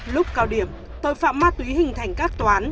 lúc cao điểm tội phạm ma túy hình thành các toán